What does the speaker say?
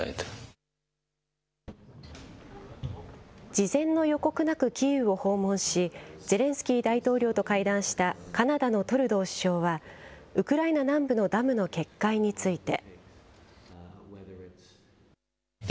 事前の予告なくキーウを訪問し、ゼレンスキー大統領と会談したカナダのトルドー首相は、ウクライナ南部のダムの決壊について。